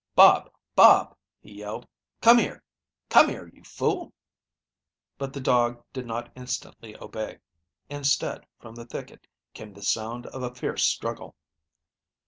"Bob, Bob," he yelled. "Come here; come here, you fool." But the dog did not instantly obey. Instead, from the thicket came the sound of a fierce struggle.